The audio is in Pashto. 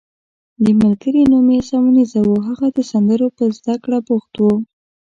د ملګري نوم یې سیمونز وو، هغه د سندرو په زده کړه بوخت وو.